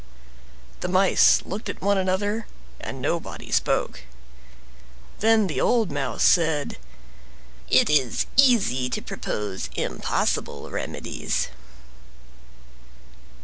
The mice looked at one another and nobody spoke. Then the old mouse said: "IT IS EASY TO PROPOSE IMPOSSIBLE REMEDIES."